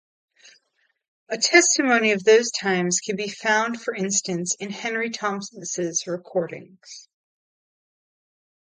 A testimony of those times can be found for instance in Henry Thomas's recordings.